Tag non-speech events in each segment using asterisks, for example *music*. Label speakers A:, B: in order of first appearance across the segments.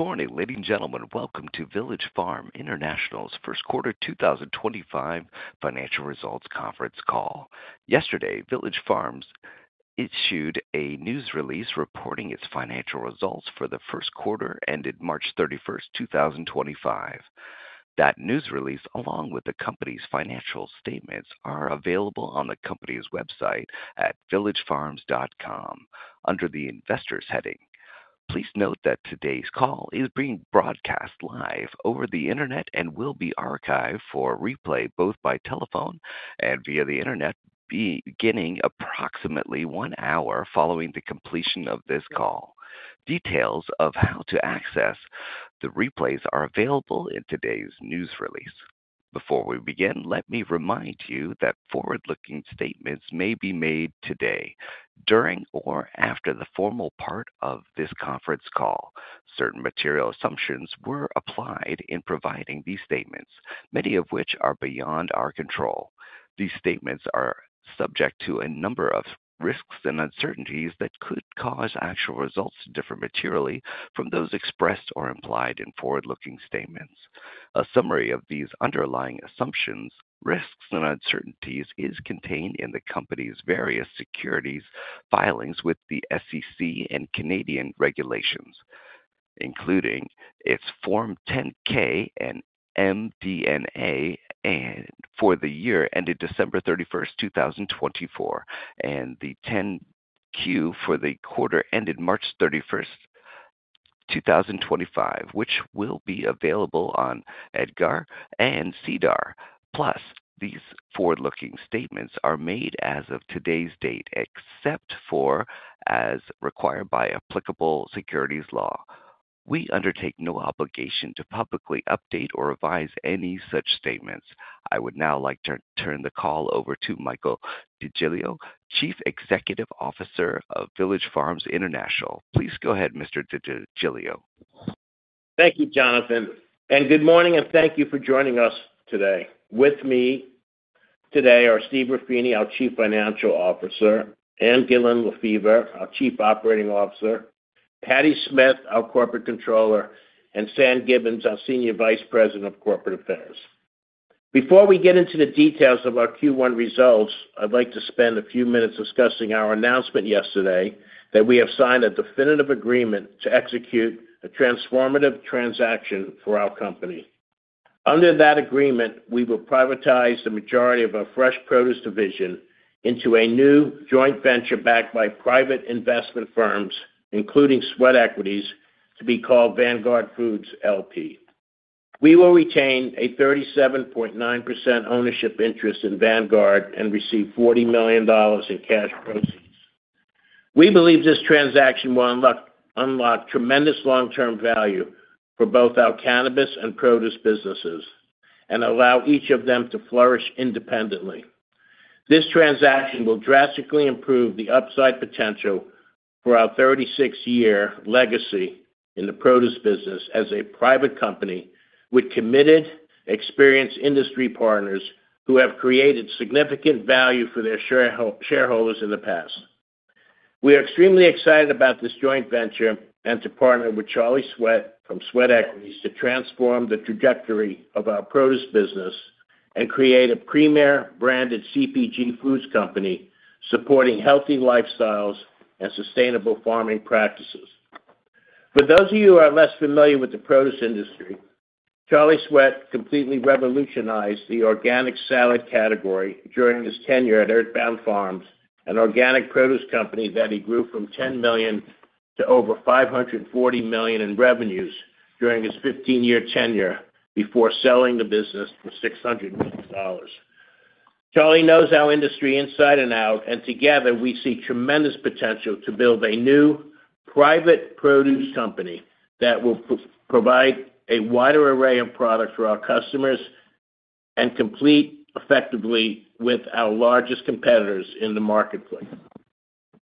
A: Good morning, ladies and gentlemen. Welcome to Village Farm International's first quarter 2025 financial results conference call. Yesterday, Village Farms issued a news release reporting its financial results for the first quarter ended March 31st, 2025. That news release, along with the company's financial statements, are available on the company's website at villagefarms.com under the Investors heading. Please note that today's call is being broadcast live over the internet and will be archived for replay both by telephone and via the internet, beginning approximately one hour following the completion of this call. Details of how to access the replays are available in today's news release. Before we begin, let me remind you that forward-looking statements may be made today, during, or after the formal part of this conference call. Certain material assumptions were applied in providing these statements, many of which are beyond our control. These statements are subject to a number of risks and uncertainties that could cause actual results to differ materially from those expressed or implied in forward-looking statements. A summary of these underlying assumptions, risks, and uncertainties is contained in the company's various securities filings with the SEC and Canadian regulations, including its Form 10-K and MD&A for the year ended December 31st, 2024, and the 10-Q for the quarter ended March 31st, 2025, which will be available on EDGAR and SEDAR. Plus, these forward-looking statements are made as of today's date, except for as required by applicable securities law. We undertake no obligation to publicly update or revise any such statements. I would now like to turn the call over to Michael DeGiglio, Chief Executive Officer of Village Farms International. Please go ahead, Mr. DeGiglio.
B: Thank you, Jonathan. Good morning, and thank you for joining us today. With me today are Steve Ruffini, our Chief Financial Officer; Ann Gillin Lefever, our Chief Operating Officer; Patty Smith, our Corporate Controller; and Sam Gibbons, our Senior Vice President of Corporate Affairs. Before we get into the details of our Q1 results, I'd like to spend a few minutes discussing our announcement yesterday that we have signed a definitive agreement to execute a transformative transaction for our company. Under that agreement, we will privatize the majority of our fresh produce division into a new joint venture backed by private investment firms, including Sweat Equities, to be called Vanguard Foods LP. We will retain a 37.9% ownership interest in Vanguard and receive $40 million in cash proceeds. We believe this transaction will unlock tremendous long-term value for both our cannabis and produce businesses and allow each of them to flourish independently. This transaction will drastically improve the upside potential for our 36-year legacy in the produce business as a private company with committed, experienced industry partners who have created significant value for their shareholders in the past. We are extremely excited about this joint venture and to partner with Charlie Sweat from Sweat Equities to transform the trajectory of our produce business and create a premier branded CPG foods company supporting healthy lifestyles and sustainable farming practices. For those of you who are less familiar with the produce industry, Charlie Sweat completely revolutionized the organic salad category during his tenure at Earthbound Farm, an organic produce company that he grew from $10 million to over $540 million in revenues during his 15-year tenure before selling the business for $600 million. Charlie knows our industry inside and out, and together we see tremendous potential to build a new private produce company that will provide a wider array of products for our customers and compete effectively with our largest competitors in the marketplace.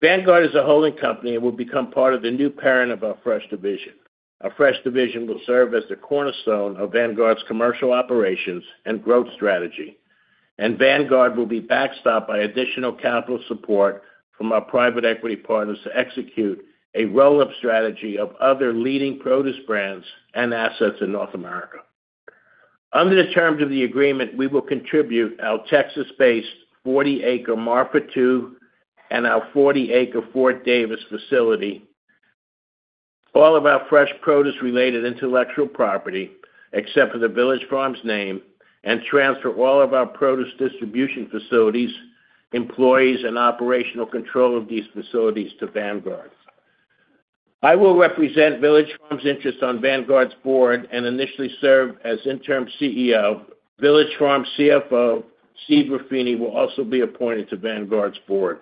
B: Vanguard is a holding company and will become part of the new parent of our fresh division. Our fresh division will serve as the cornerstone of Vanguard's commercial operations and growth strategy, and Vanguard will be backed up by additional capital support from our private equity partners to execute a roll-up strategy of other leading produce brands and assets in North America. Under the terms of the agreement, we will contribute our Texas-based 40-acre Marfa II and our 40-acre Fort Davis facility, all of our fresh produce-related intellectual property, except for the Village Farms name, and transfer all of our produce distribution facilities, employees, and operational control of these facilities to Vanguard. I will represent Village Farms' interests on Vanguard's board and initially serve as interim CEO. Village Farms CFO Steve Ruffini will also be appointed to Vanguard's board.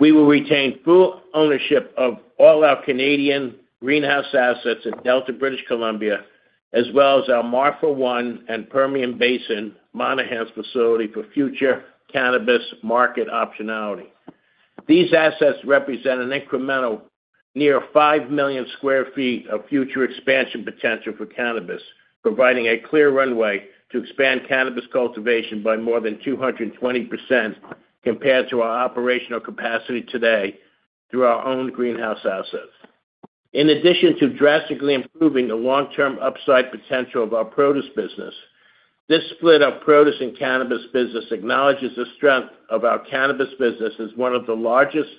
B: We will retain full ownership of all our Canadian greenhouse assets at Delta, British Columbia, as well as our Marfa I and Permian Basin Monahans facility for future cannabis market optionality. These assets represent an incremental near 5 million sq ft of future expansion potential for cannabis, providing a clear runway to expand cannabis cultivation by more than 220% compared to our operational capacity today through our own greenhouse assets. In addition to drastically improving the long-term upside potential of our produce business, this split of produce and cannabis business acknowledges the strength of our cannabis business as one of the largest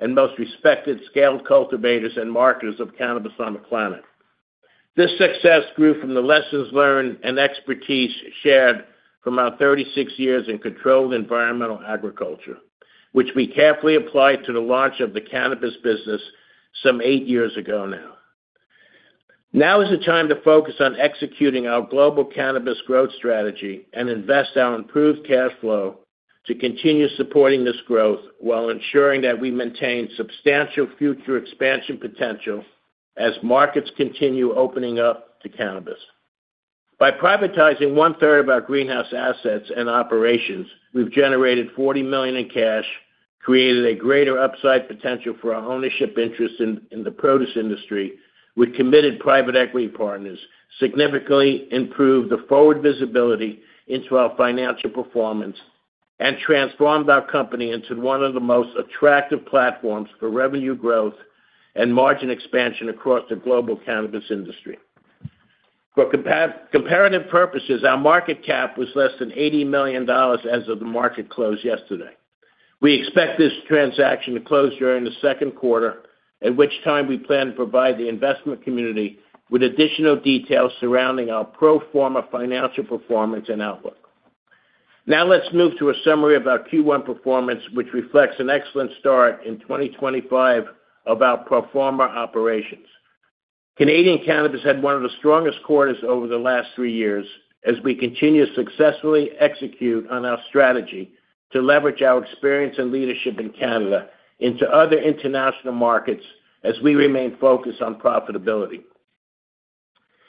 B: and most respected scaled cultivators and marketers of cannabis on the planet. This success grew from the lessons learned and expertise shared from our 36 years in controlled environmental agriculture, which we carefully applied to the launch of the cannabis business some eight years ago now. Now is the time to focus on executing our global cannabis growth strategy and invest our improved cash flow to continue supporting this growth while ensuring that we maintain substantial future expansion potential as markets continue opening up to cannabis. By privatizing one-third of our greenhouse assets and operations, we've generated $40 million in cash, created a greater upside potential for our ownership interest in the produce industry, we've committed private equity partners, significantly improved the forward visibility into our financial performance, and transformed our company into one of the most attractive platforms for revenue growth and margin expansion across the global cannabis industry. For comparative purposes, our market cap was less than $80 million as of the market close yesterday. We expect this transaction to close during the second quarter, at which time we plan to provide the investment community with additional details surrounding our pro forma financial performance and outlook. Now let's move to a summary of our Q1 performance, which reflects an excellent start in 2025 of our pro forma operations. Canadian cannabis had one of the strongest quarters over the last three years as we continue to successfully execute on our strategy to leverage our experience and leadership in Canada into other international markets as we remain focused on profitability.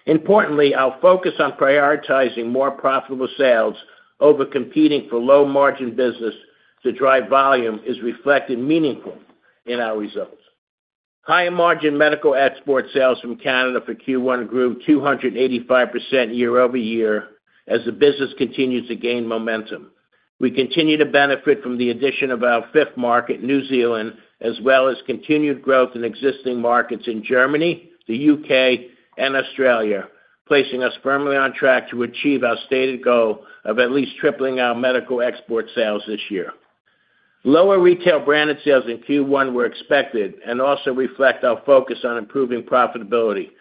B: Importantly, our focus on prioritizing more profitable sales over competing for low-margin business to drive volume is reflected meaningfully in our results. Higher margin medical export sales from Canada for Q1 grew 285% year-over-year as the business continues to gain momentum. We continue to benefit from the addition of our fifth market, New Zealand, as well as continued growth in existing markets in Germany, the U.K., and Australia, placing us firmly on track to achieve our stated goal of at least tripling our medical export sales this year. Lower retail branded sales in Q1 were expected and also reflect our focus on improving profitability,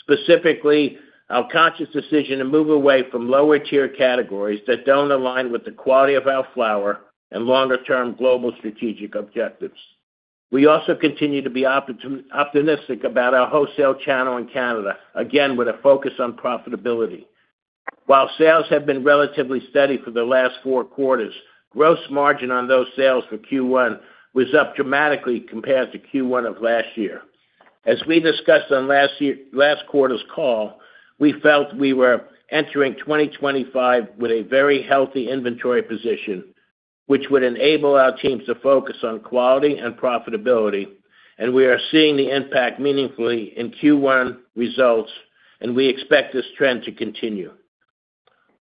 B: specifically our conscious decision to move away from lower-tier categories that do not align with the quality of our flower and longer-term global strategic objectives. We also continue to be optimistic about our wholesale channel in Canada, again with a focus on profitability. While sales have been relatively steady for the last four quarters, gross margin on those sales for Q1 was up dramatically compared to Q1 of last year. As we discussed on last quarter's call, we felt we were entering 2025 with a very healthy inventory position, which would enable our teams to focus on quality and profitability, and we are seeing the impact meaningfully in Q1 results, and we expect this trend to continue.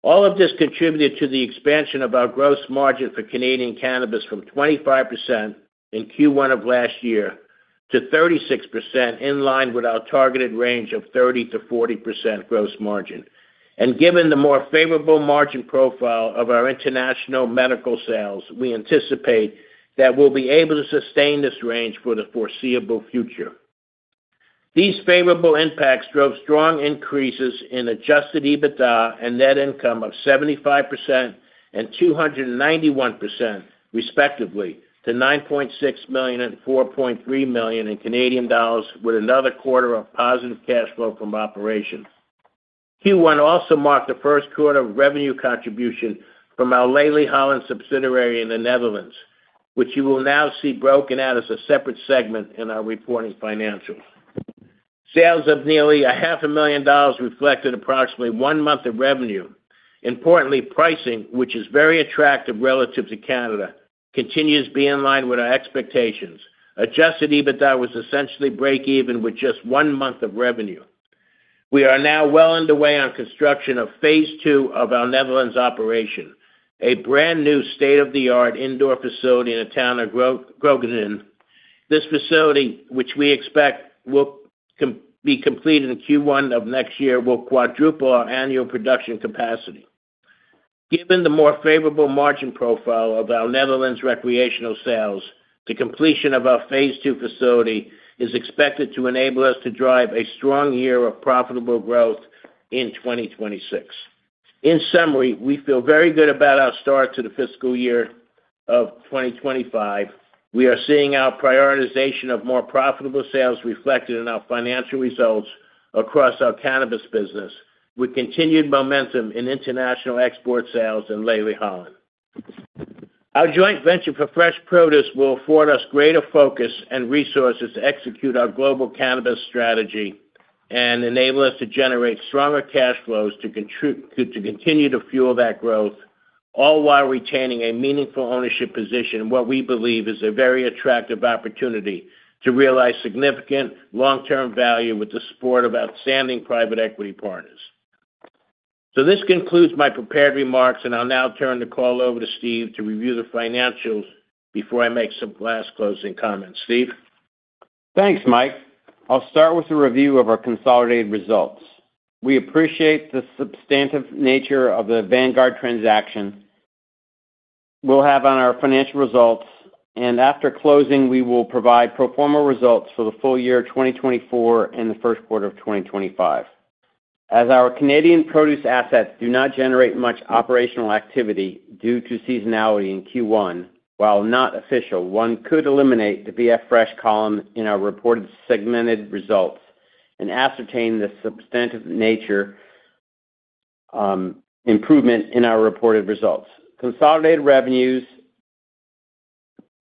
B: All of this contributed to the expansion of our gross margin for Canadian cannabis from 25% in Q1 of last year to 36%, in line with our targeted range of 30-40% gross margin. Given the more favorable margin profile of our international medical sales, we anticipate that we'll be able to sustain this range for the foreseeable future. These favorable impacts drove strong increases in adjusted EBITDA and net income of 75% and 291%, respectively, to 9.6 million and 4.3 million, with another quarter of positive cash flow from operations. Q1 also marked the first quarter of revenue contribution from our Leli Holland subsidiary in the Netherlands, which you will now see broken out as a separate segment in our reporting financials. Sales of nearly $500,000 reflected approximately one month of revenue. Importantly, pricing, which is very attractive relative to Canada, continues to be in line with our expectations. Adjusted EBITDA was essentially break-even with just one month of revenue. We are now well underway on construction of phase II of our Netherlands operation, a brand new state-of-the-art indoor facility in the town of Grogenden. This facility, which we expect will be completed in Q1 of next year, will quadruple our annual production capacity. Given the more favorable margin profile of our Netherlands recreational sales, the completion of our phase II facility is expected to enable us to drive a strong year of profitable growth in 2026. In summary, we feel very good about our start to the fiscal year of 2025. We are seeing our prioritization of more profitable sales reflected in our financial results across our cannabis business with continued momentum in international export sales and Leli Holland. Our joint venture for fresh produce will afford us greater focus and resources to execute our global cannabis strategy and enable us to generate stronger cash flows to continue to fuel that growth, all while retaining a meaningful ownership position, which we believe is a very attractive opportunity to realize significant long-term value with the support of outstanding private equity partners. This concludes my prepared remarks, and I'll now turn the call over to Steve to review the financials before I make some last closing comments. Steve?
C: Thanks, Mike. I'll start with a review of our consolidated results. We appreciate the substantive nature the Vanguard transaction will have on our financial results, and after closing, we will provide pro forma results for the full year 2024 and the first quarter of 2025. As our Canadian produce assets do not generate much operational activity due to seasonality in Q1, while not official, one could eliminate the VF fresh column in our reported segmented results and ascertain the substantive nature improvement in our reported results. Consolidated revenues,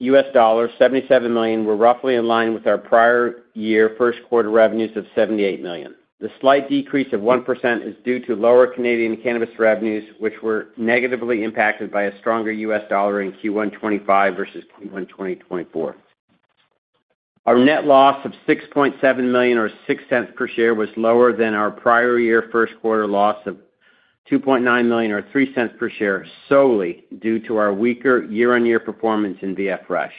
C: $77 million, were roughly in line with our prior year first quarter revenues of $78 million. The slight decrease of 1% is due to lower Canadian cannabis revenues, which were negatively impacted by a stronger U.S. dollar in Q1 2025 versus Q1 2024. Our net loss of $6.7 million or $0.06 per share was lower than our prior year first quarter loss of $2.9 million or $0.03 per share, solely due to our weaker year-on-year performance in VF fresh.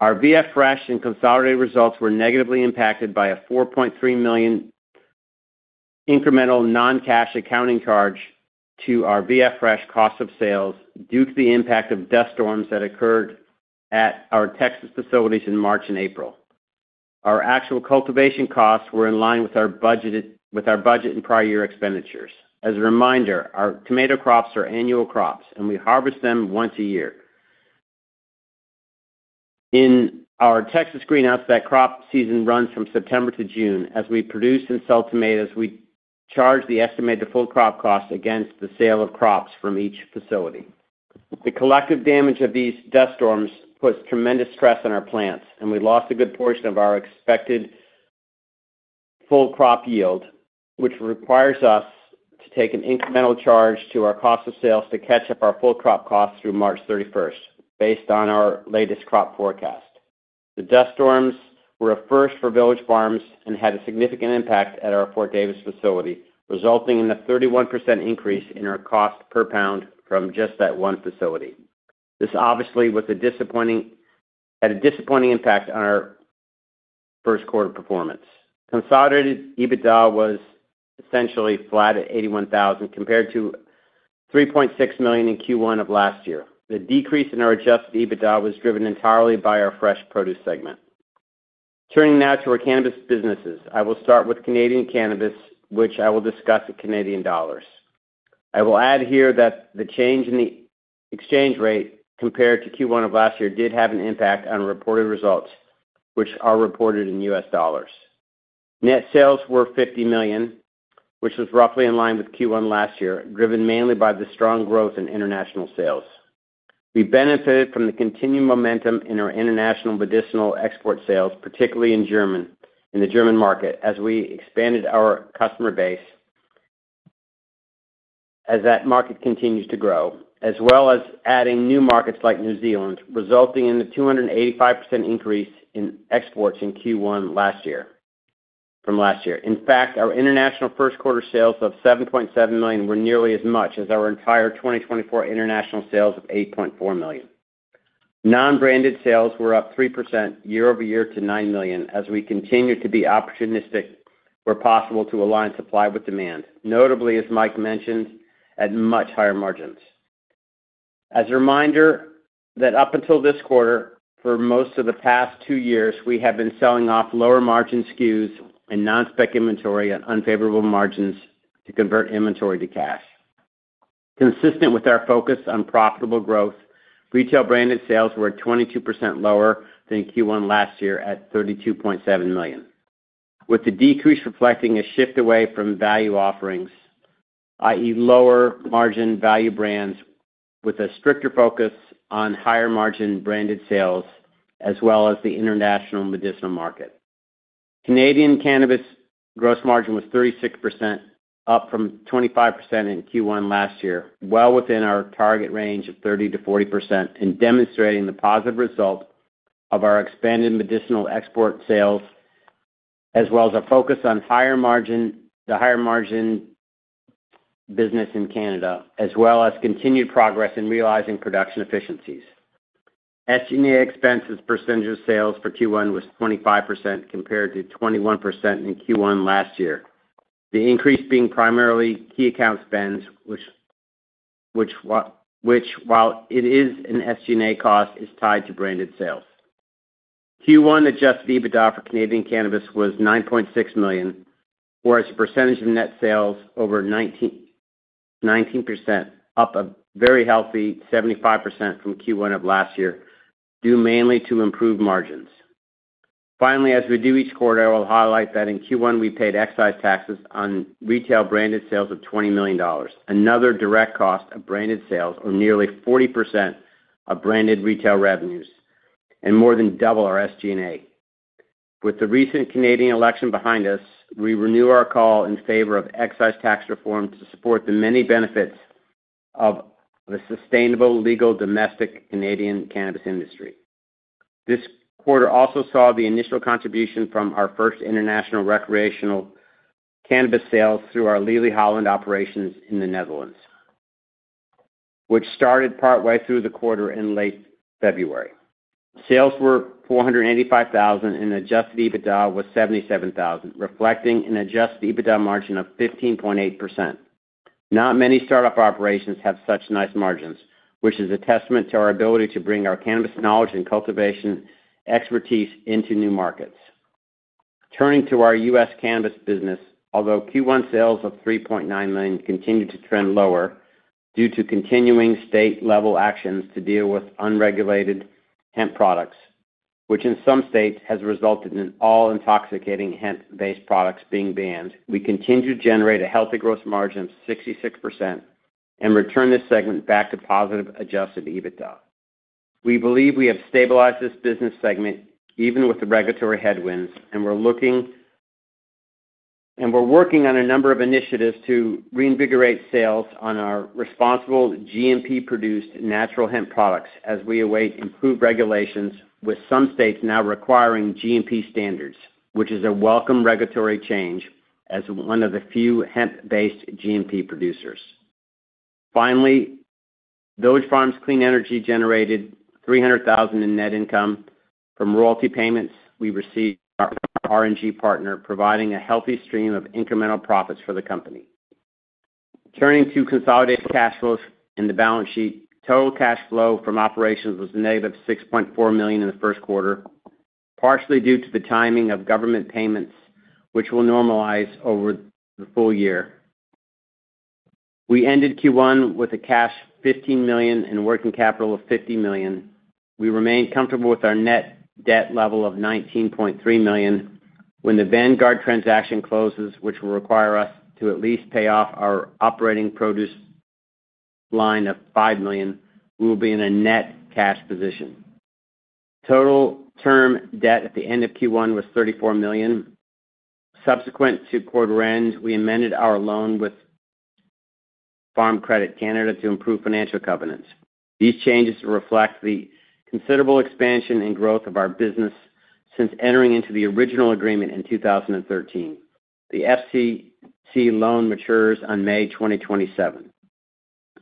C: Our VF fresh and consolidated results were negatively impacted by a $4.3 million incremental non-cash accounting charge to our VF fresh cost of sales due to the impact of dust storms that occurred at our Texas facilities in March and April. Our actual cultivation costs were in line with our budget and prior year expenditures. As a reminder, our tomato crops are annual crops, and we harvest them once a year. In our Texas greenhouse, that crop season runs from September to June. As we produce and sell tomatoes, we charge the estimated full crop cost against the sale of crops from each facility. The collective damage of these dust storms puts tremendous stress on our plants, and we lost a good portion of our expected full crop yield, which requires us to take an incremental charge to our cost of sales to catch up our full crop costs through March 31st, based on our latest crop forecast. The dust storms were a first for Village Farms and had a significant impact at our Fort Davis facility, resulting in a 31% increase in our cost per pound from just that one facility. This obviously had a disappointing impact on our first quarter performance. Consolidated EBITDA was essentially flat at $81,000 compared to $3.6 million in Q1 of last year. The decrease in our adjusted EBITDA was driven entirely by our fresh produce segment. Turning now to our cannabis businesses, I will start with Canadian cannabis, which I will discuss in Canadian dollars. I will add here that the change in the exchange rate compared to Q1 of last year did have an impact on reported results, which are reported in US dollars. Net sales were 50 million, which was roughly in line with Q1 last year, driven mainly by the strong growth in international sales. We benefited from the continued momentum in our international medicinal export sales, particularly in Germany, in the German market, as we expanded our customer base, as that market continues to grow, as well as adding new markets like New Zealand, resulting in a 285% increase in exports in Q1 from last year. In fact, our international first quarter sales of 7.7 million were nearly as much as our entire 2024 international sales of 8.4 million. Non-branded sales were up 3% year-over-year to 9 million, as we continue to be opportunistic where possible to align supply with demand, notably, as Mike mentioned, at much higher margins. As a reminder, up until this quarter, for most of the past two years, we have been selling off lower margin SKUs and non-spec inventory at unfavorable margins to convert inventory to cash. Consistent with our focus on profitable growth, retail branded sales were 22% lower than Q1 last year at 32.7 million, with the decrease reflecting a shift away from value offerings, i.e., lower margin value brands with a stricter focus on higher margin branded sales, as well as the international medicinal market. Canadian cannabis gross margin was 36%, up from 25% in Q1 last year, well within our target range of 30-40%, and demonstrating the positive result of our expanded medicinal export sales, as well as our focus on the higher margin business in Canada, as well as continued progress in realizing production efficiencies. SG&A expenses percentage of sales for Q1 was 25% compared to 21% in Q1 last year, the increase being primarily key account spends, which, while it is an SG&A cost, is tied to branded sales. Q1 adjusted EBITDA for Canadian cannabis was 9.6 million, or as a percentage of net sales over 19%, up a very healthy 75% from Q1 of last year, due mainly to improved margins. Finally, as we do each quarter, I will highlight that in Q1 we paid excise taxes on retail branded sales of 20 million dollars, another direct cost of branded sales, or nearly 40% of branded retail revenues, and more than double our SG&A. With the recent Canadian election behind us, we renew our call in favor of excise tax reform to support the many benefits of a sustainable legal domestic Canadian cannabis industry. This quarter also saw the initial contribution from our first international recreational cannabis sales through our Leli Holland operations in the Netherlands, which started partway through the quarter in late February. Sales were 485,000, and adjusted EBITDA was 77,000, reflecting an adjusted EBITDA margin of 15.8%. Not many startup operations have such nice margins, which is a testament to our ability to bring our cannabis knowledge and cultivation expertise into new markets. Turning to our U.S. cannabis business, although Q1 sales of $3.9 million continued to trend lower due to continuing state-level actions to deal with unregulated hemp products, which in some states has resulted in all intoxicating hemp-based products being banned, we continue to generate a healthy gross margin of 66% and return this segment back to positive adjusted EBITDA. We believe we have stabilized this business segment even with the regulatory headwinds, and we are working on a number of initiatives to reinvigorate sales on our responsible GMP-produced natural hemp products as we await improved regulations, with some states now requiring GMP standards, which is a welcome regulatory change as one of the few hemp-based GMP producers. Finally, Village Farms Clean Energy generated $300,000 in net income from royalty payments we received from our R&G partner, providing a healthy stream of incremental profits for the company. Turning to consolidated cash flows in the balance sheet, total cash flow from operations was negative $6.4 million in the first quarter, partially due to the timing of government payments, which will normalize over the full year. We ended Q1 with cash of $15 million and working capital of $50 million. We remained comfortable with our net debt level of $19.3 million. When the Vanguard transaction closes, which will require us to at least pay off our operating produce line of $5 million, we will be in a net cash position. Total term debt at the end of Q1 was $34 million. Subsequent to quarter end, we amended our loan with Farm Credit Canada to improve financial covenants. These changes reflect the considerable expansion and growth of our business since entering into the original agreement in 2013. The FCC loan matures on May 2027.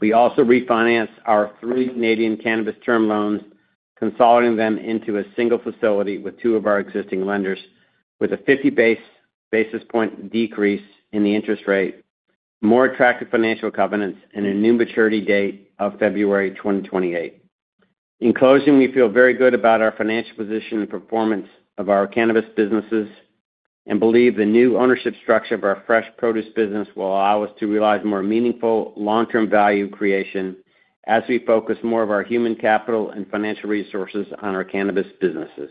C: We also refinanced our three Canadian cannabis term loans, consolidating them into a single facility with two of our existing lenders, with a 50 basis point decrease in the interest rate, more attractive financial covenants, and a new maturity date of February 2028. In closing, we feel very good about our financial position and performance of our cannabis businesses and believe the new ownership structure of our fresh produce business will allow us to realize more meaningful long-term value creation as we focus more of our human capital and financial resources on our cannabis businesses.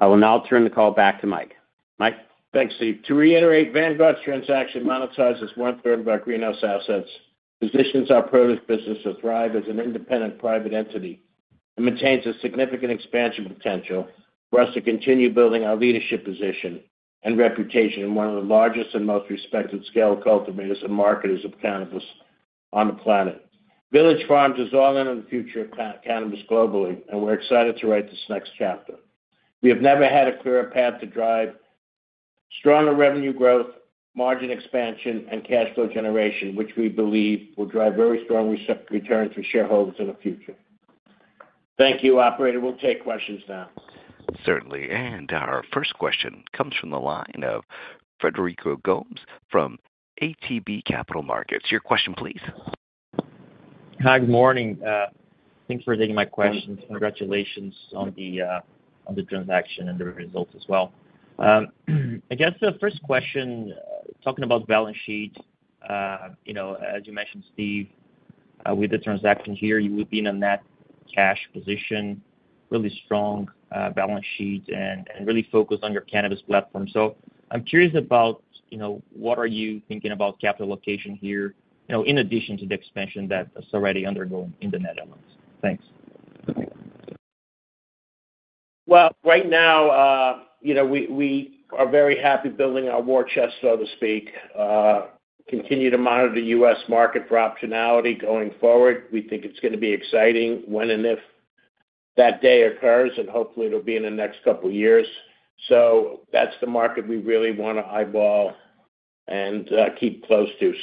C: I will now turn the call back to Mike. Mike.
B: Thanks, Steve. To reiterate, Vanguard's transaction monetizes one-third of our greenhouse assets, positions our produce business to thrive as an independent private entity, and maintains a significant expansion potential for us to continue building our leadership position and reputation in one of the largest and most respected scale cultivators and marketers of cannabis on the planet. Village Farms is all in on the future of cannabis globally, and we're excited to write this next chapter. We have never had a clearer path to drive stronger revenue growth, margin expansion, and cash flow generation, which we believe will drive very strong returns for shareholders in the future. Thank you, Operator. We'll take questions now.
A: Certainly. Our first question comes from the line of Frederico Gomes from ATB Capital Markets. Your question, please.
D: Hi, good morning. Thank you for taking my question. Congratulations on the transaction and the results as well. I guess the first question, talking about balance sheet, as you mentioned, Steve, with the transaction here, you would be in a net cash position, really strong balance sheet, and really focused on your cannabis platform. I'm curious about what are you thinking about capital allocation here in addition to the expansion that's already undergoing in the Netherlands? Thanks.
C: Right now, we are very happy building our war chest, so to speak. We continue to monitor the U.S. market for optionality going forward. We think it is going to be exciting when and if that day occurs, and hopefully it will be in the next couple of years. That is the market we really want to eyeball and keep close to.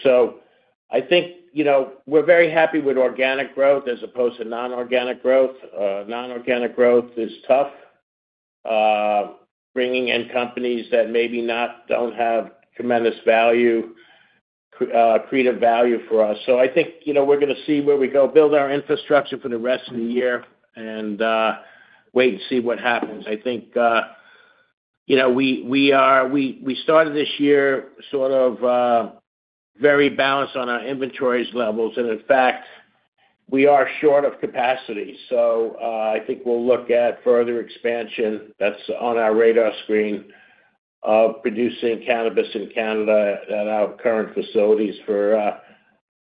C: I think we are very happy with organic growth as opposed to non-organic growth. Non-organic growth is tough, bringing in companies that maybe do not have tremendous value, creative value for us. I think we are going to see where we go, build our infrastructure for the rest of the year, and wait and see what happens. I think we started this year sort of very balanced on our inventory levels, and in fact, we are short of capacity. I think we will look at further expansion. That's on our radar screen of producing cannabis in Canada at our current facilities for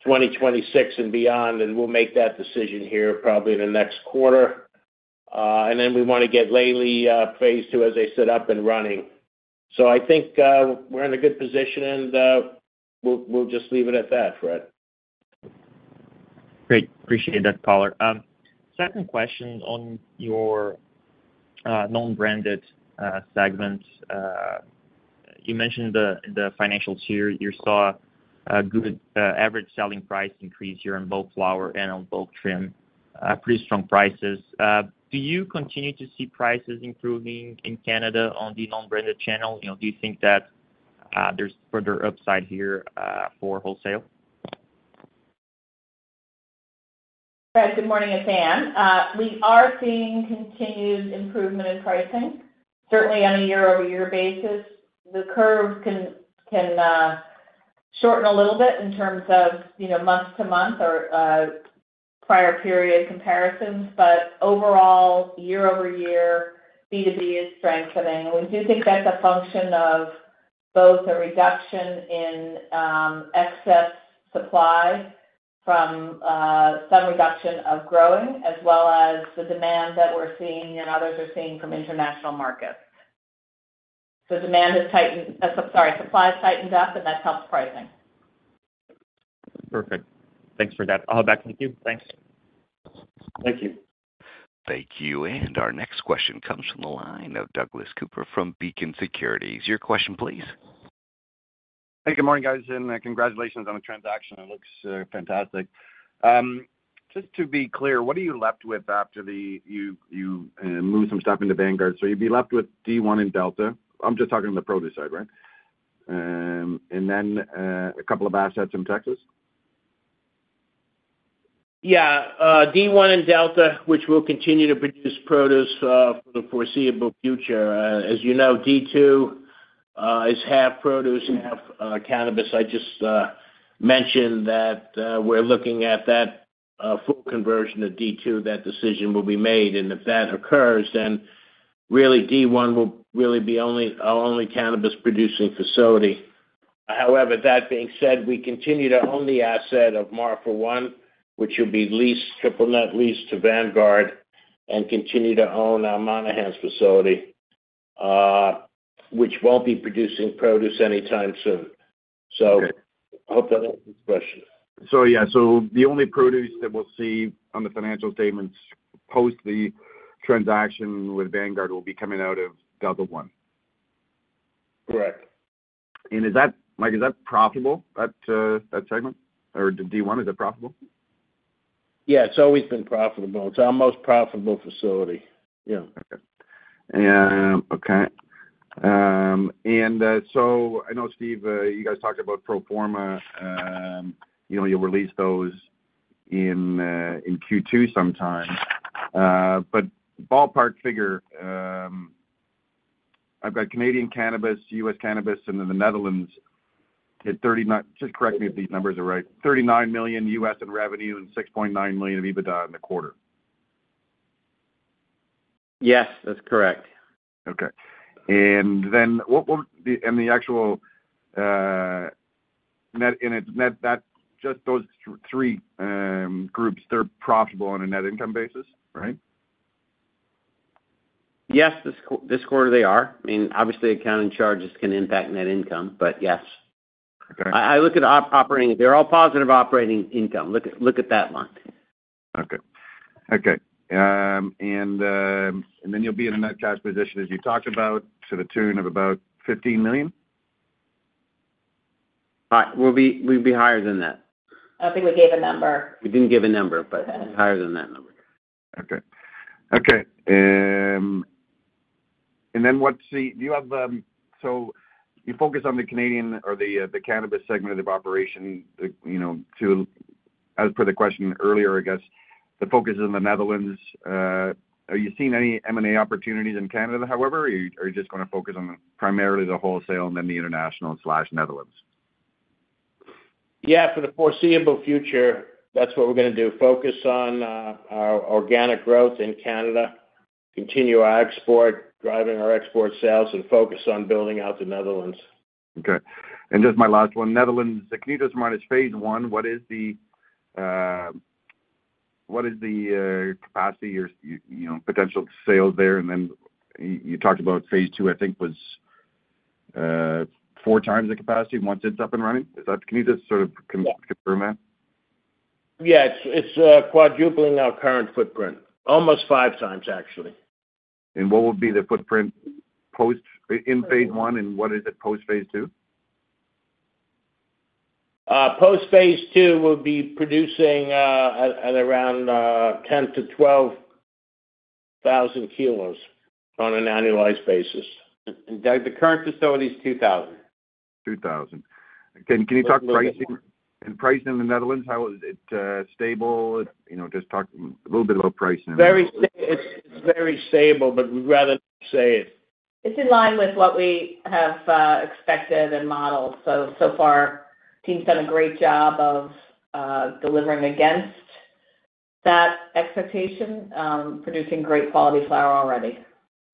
C: 2026 and beyond, and we'll make that decision here probably in the next quarter. We want to get Leli phase II, as I said, up and running. I think we're in a good position, and we'll just leave it at that, Fred.
D: Great. Appreciate that, Caller. Second question on your non-branded segment. You mentioned the financials here. You saw a good average selling price increase here on both flower and on bulk trim, pretty strong prices. Do you continue to see prices improving in Canada on the non-branded channel? Do you think that there's further upside here for wholesale?
E: Fred, good morning again. We are seeing continued improvement in pricing, certainly on a year-over-year basis. The curve can shorten a little bit in terms of month-to-month or prior period comparisons, but overall, year-over-year, B2B is strengthening. We do think that's a function of both a reduction in excess supply from some reduction of growing, as well as the demand that we're seeing and others are seeing from international markets. Supply has tightened up, and that's helped pricing.
D: Perfect. Thanks for that. I'll have that. Thank you. Thanks.
F: Thank you.
A: Thank you. Our next question comes from the line of Douglas Cooper from Beacon Securities. Your question, please.
G: Hey, good morning, guys, and congratulations on the transaction. It looks fantastic. Just to be clear, what are you left with after you move some stuff into Vanguard? You'd be left with D1 and Delta. I'm just talking on the produce side, right? And then a couple of assets in Texas?
C: Yeah. D1 and Delta, which will continue to produce produce for the foreseeable future. As you know, D2 is half produce, half cannabis. I just mentioned that we're looking at that full conversion of D2, that decision will be made. If that occurs, then really D1 will really be our only cannabis-producing facility. However, that being said, we continue to own the asset of Marfa I, which will be leased, triple-net leased to Vanguard, and continue to own our Monahans facility, which will not be producing produce anytime soon. I hope that answers the question.
G: Yeah, so the only produce that we'll see on the financial statements post the transaction with Vanguard Foods LP will be coming out of Delta 1.
C: Correct.
G: Is that profitable, that segment? Or D1, is that profitable?
C: Yeah, it's always been profitable. It's our most profitable facility. Yeah.
G: Okay. I know, Steve, you guys talked about proforma. You'll release those in Q2 sometime. Ballpark figure, I've got Canadian cannabis, U.S. cannabis, and then the Netherlands hit $39 million in revenue and $6.9 million of EBITDA in the quarter.
C: Yes, that's correct.
G: Okay. And then the actual net—and it's net—just those three groups, they're profitable on a net income basis, right?
C: Yes, this quarter they are. I mean, obviously, accounting charges can impact net income, but yes. I look at operating, they're all positive operating income. Look at that one.
G: Okay. Okay. And then you'll be in a net cash position, as you talked about, to the tune of about $15 million?
C: We'll be higher than that.
E: I don't think we gave a number.
C: We didn't give a number, but higher than that number.
G: Okay. Okay. And then what is the—do you have—so you focus on the Canadian or the cannabis segment of operation to—as per the question earlier, I guess, the focus is in the Netherlands. Are you seeing any M&A opportunities in Canada, however, or are you just going to focus on primarily the wholesale and then the international/Netherlands?
C: Yeah, for the foreseeable future, that's what we're going to do. Focus on our organic growth in Canada, continue our export, driving our export sales, and focus on building out the Netherlands.
G: Okay. And just my last one. Netherlands, can you just remind us, phase I, what is the capacity or potential sales there? And then you talked about phase II, I think, was four times the capacity once it's up and running. Can you just sort of confirm that?
C: Yeah, it's quadrupling our current footprint. Almost five times, actually.
G: What will be the footprint in phase I, and what is it post-phase II?
C: Post-phase II will be producing at around 10,000-12,000 kilos on an annualized basis. The current facility is 2,000.
G: 2,000. Can you talk pricing? And pricing in the Netherlands, how is it stable? Just talk a little bit about pricing.
C: It's very stable, but we'd rather not say it.
E: It's in line with what we have expected and modeled. So far, the team's done a great job of delivering against that expectation, producing great quality flower already.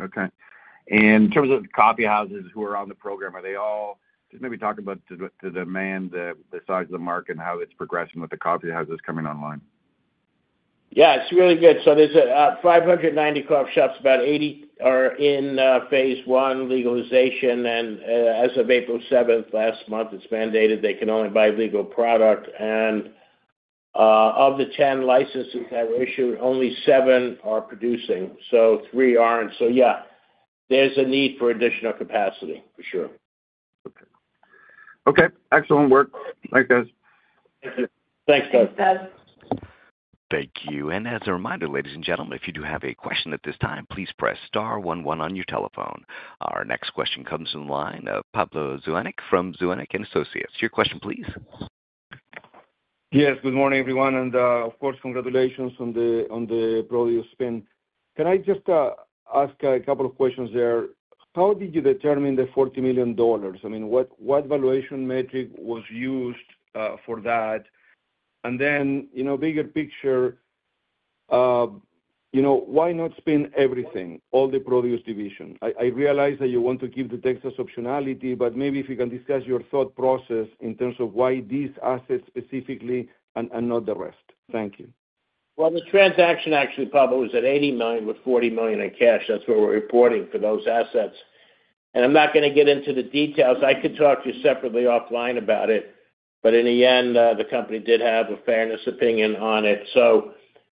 G: Okay. In terms of the coffee houses who are on the program, are they all—just maybe talk about the demand, the size of the market, and how it's progressing with the coffee houses coming online.
C: Yeah, it's really good. There are 590 coffee shops, about 80 are in phase I legalization, and as of April 7 last month, it's mandated they can only buy legal product. Of the 10 licenses that were issued, only seven are producing, so three aren't. Yeah, there's a need for additional capacity, for sure.
G: Okay. Okay. Excellent work. Thanks, guys.
C: Thank you. Thanks, guys.
E: *audio distortion*
A: Thank you. As a reminder, ladies and gentlemen, if you do have a question at this time, please press star 11 on your telephone. Our next question comes in line of Pablo Zuanic from Zuanic & Associates. Your question, please.
H: Yes, good morning, everyone. Of course, congratulations on the produce spin. Can I just ask a couple of questions there? How did you determine the $40 million? I mean, what valuation metric was used for that? Then bigger picture, why not spin everything, all the produce division? I realize that you want to give the Texas optionality, but maybe if you can discuss your thought process in terms of why these assets specifically and not the rest. Thank you.
C: The transaction actually probably was at $80 million with $40 million in cash. That is what we are reporting for those assets. I am not going to get into the details. I could talk to you separately offline about it, but in the end, the company did have a fairness opinion on it. It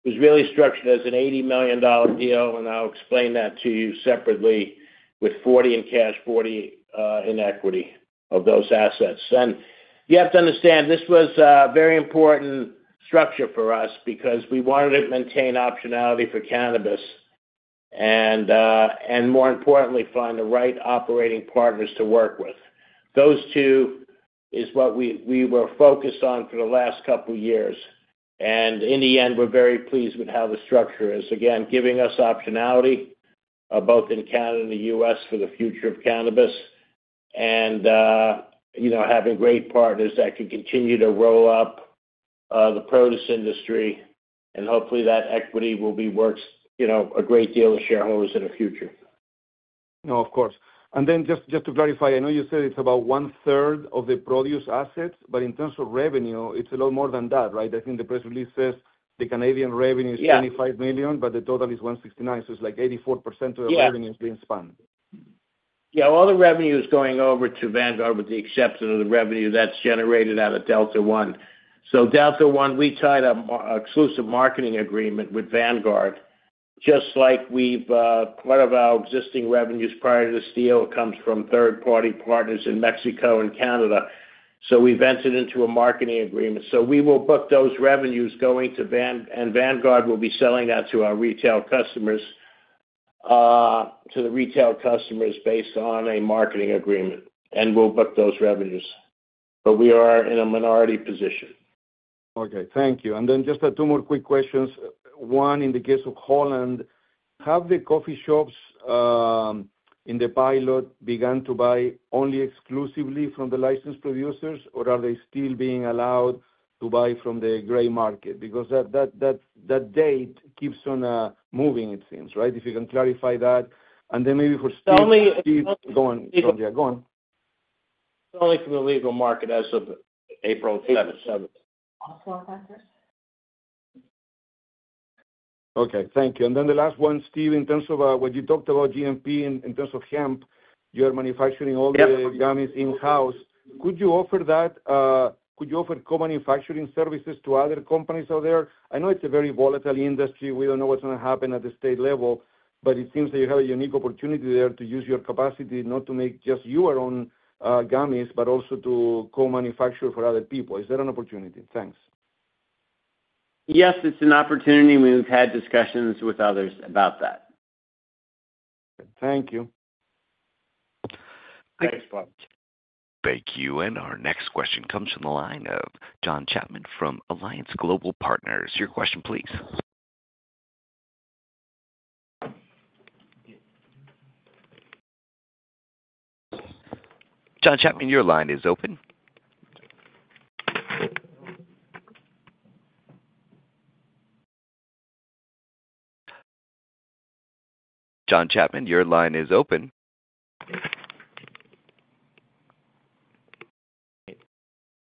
C: was really structured as an $80 million deal, and I will explain that to you separately with $40 million in cash, $40 million in equity of those assets. You have to understand this was a very important structure for us because we wanted to maintain optionality for cannabis and, more importantly, find the right operating partners to work with. Those two is what we were focused on for the last couple of years. In the end, we're very pleased with how the structure is, again, giving us optionality both in Canada and the U.S. for the future of cannabis and having great partners that can continue to roll up the produce industry. Hopefully, that equity will be worth a great deal to shareholders in the future.
H: No, of course. Just to clarify, I know you said it's about one-third of the produce assets, but in terms of revenue, it's a lot more than that, right? I think the press release says the Canadian revenue is 25 million, but the total is 169 million. It's like 84% of the revenue is being spun.
C: Yeah. All the revenue is going over to Vanguard with the exception of the revenue that's generated out of Delta 1. Delta 1, we tied an exclusive marketing agreement with Vanguard. Just like we've—quite a while—existing revenues prior to the steel comes from third-party partners in Mexico and Canada. We have entered into a marketing agreement. We will book those revenues going to—and Vanguard will be selling that to our retail customers, to the retail customers based on a marketing agreement. We will book those revenues. We are in a minority position.
H: Okay. Thank you. Two more quick questions. One, in the case of Holland, have the coffee shops in the pilot begun to buy only exclusively from the licensed producers, or are they still being allowed to buy from the gray market? That date keeps on moving, it seems, right? If you can clarify that. Maybe for Steve.
C: It's only.
H: Go on. Yeah, go on.
C: It's only for the legal market as of April 7.
H: Okay. Thank you. Okay. Thank you. The last one, Steve, in terms of what you talked about GMP in terms of hemp, you're manufacturing all the gummies in-house. Could you offer that? Could you offer co-manufacturing services to other companies out there? I know it's a very volatile industry. We don't know what's going to happen at the state level, but it seems that you have a unique opportunity there to use your capacity not to make just your own gummies, but also to co-manufacture for other people. Is that an opportunity? Thanks.
C: Yes, it's an opportunity. We've had discussions with others about that.
H: Thank you.
F: Thanks, Bob.
A: Thank you. Our next question comes from the line of John Chapman from Alliance Global Partners. Your question, please. John Chapman, your line is open. John Chapman, your line is open.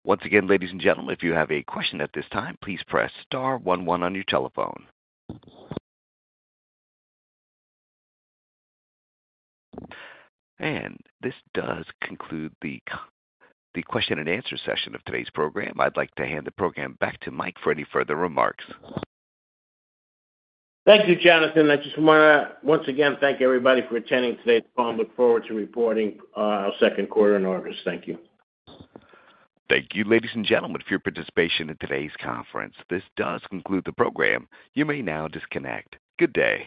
A: Once again, ladies and gentlemen, if you have a question at this time, please press star 11 on your telephone. This does conclude the question and answer session of today's program. I'd like to hand the program back to Mike for any further remarks.
B: Thank you, Jonathan. I just want to once again thank everybody for attending today's call. I look forward to reporting our second quarter in August. Thank you.
A: Thank you, ladies and gentlemen, for your participation in today's conference. This does conclude the program. You may now disconnect. Good day.